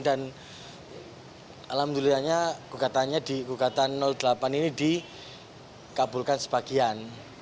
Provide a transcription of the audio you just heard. dan alhamdulillahnya gugatannya di gugatan delapan ini dikabulkan sebagian